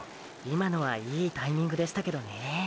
今のはいいタイミングでしたけどねー。